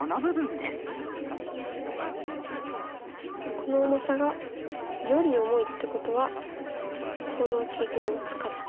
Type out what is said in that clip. この重さが「より重い」ってことはこの記号を使って表す。